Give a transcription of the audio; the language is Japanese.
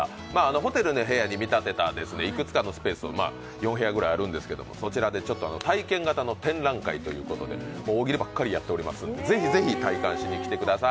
ホテルの部屋に見立てたいくつかのスペースを、４部屋くらいあるんですけどもそちらで体験型の展覧会ということで大喜利ばっかりやっていますので、ぜひぜひ体感しに来てください。